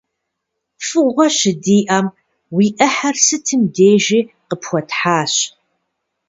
ФӀыгъуэ щыдиӀэм, уи Ӏыхьэр сытым дежи къыпхуэтхьащ.